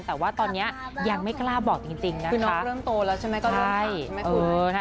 แต่ว่าตอนเนี้ยยังไม่กล้าบอกจริงจริงนะคะคือน้องเริ่มโตแล้วใช่ไหมก็เริ่มถามใช่ไหมครับ